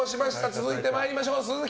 続いて参りましょう。